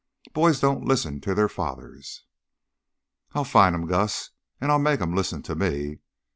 Boys don't listen to their fathers." "I'll find him, Gus, and I'll make him listen to me.